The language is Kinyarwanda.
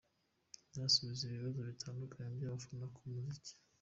Yanasubije ibibazo bitandukanye by’abafana ku muziki.